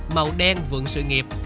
màu đen vượng sự nghiệp